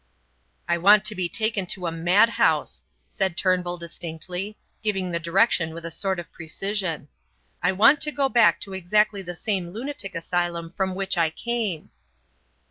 "I want to be taken to a madhouse," said Turnbull distinctly, giving the direction with a sort of precision. "I want to go back to exactly the same lunatic asylum from which I came."